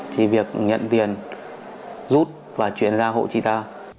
chỉ việc nhận tiền rút và chuyển ra hộ chị ta